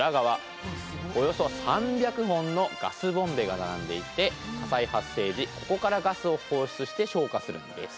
およそ３００本のガスボンベが並んでいて火災発生時ここからガスを放出して消火するんです。